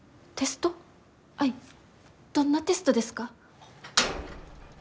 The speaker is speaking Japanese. アイどんなテストですか？